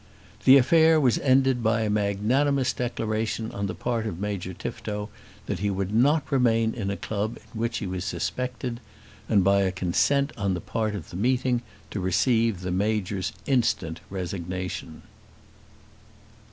The affair was ended by a magnanimous declaration on the part of Major Tifto that he would not remain in a club in which he was suspected, and by a consent on the part of the meeting to receive the Major's instant resignation.